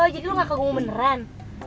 jadi lo nggak kagum beneran